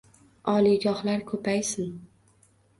Oliygohlar koʻpaysin.